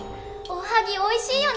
おはぎおいしいよね！